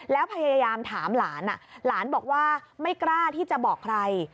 แล้วพยายามถามหลานหลานบอกว่าไม่กล้าที่จะบอกใคร